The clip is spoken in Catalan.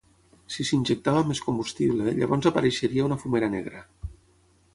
Si s'injectava més combustible, llavors apareixeria una fumera negra.